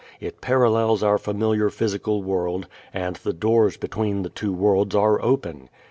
It parallels our familiar physical world, and the doors between the two worlds are open.